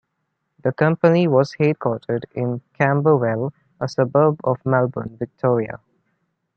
The company was headquartered in Camberwell, a suburb of Melbourne, Victoria.